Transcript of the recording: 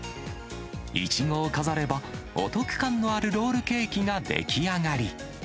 いちごを飾れば、お得感のあるロールケーキが出来上がり。